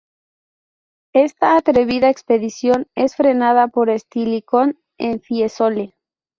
Esta atrevida expedición es frenada por Estilicón en Fiesole.